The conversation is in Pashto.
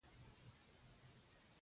په دواړو لاسونو یې ښکته پورته کړ.